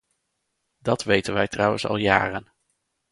Dat weten wij trouwens al jaren.